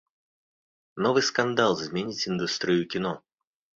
Новы скандал зменіць індустрыю кіно.